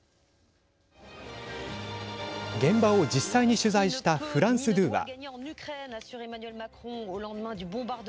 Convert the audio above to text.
現場を実際に取材したフランス２は。